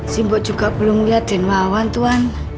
si mbok juga belum lihat den wawan tuhan